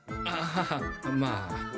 あっまあ。